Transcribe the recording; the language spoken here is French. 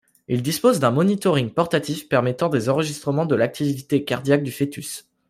Il dispose d'un monitoring portatif permettant des enregistrements de l'activité cardiaque du fœtus.